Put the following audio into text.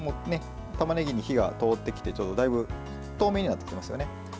たまねぎに火が通ってきてだいぶ透明になってきましたね。